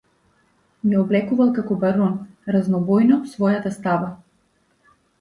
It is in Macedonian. Ја облекувал како барон разнобојно својата става.